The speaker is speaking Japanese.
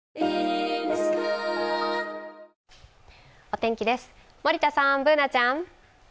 お天気です、森田さん、Ｂｏｏｎａちゃん。